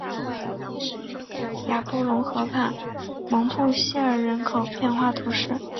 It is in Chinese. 雅布龙河畔蒙布谢尔人口变化图示